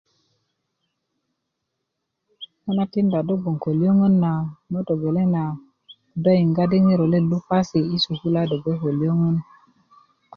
ŋo na tinda do gboŋ ko lyöŋön na ŋo togeleŋ na do yiŋga di ŋiro let lo pasi'kase yi sukulu a do gbe ko lyöŋön